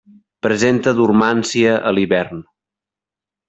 Presenta dormància a l'hivern.